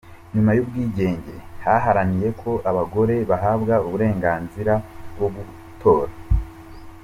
Nyuma y’ubwigenge, yaharaniye ko abagore bahabwa uburenganzira bwo gutora.